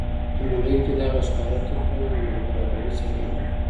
په نړۍ کې دغه ښکاره توپیرونه او نابرابري څرګنده ده.